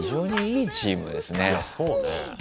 いやそうね。